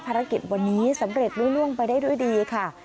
ภารกิจวันนี้สำเร็จล่วงไปได้ด้วยดีค่ะ